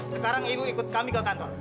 sekarang ibu ikut kami ke kantor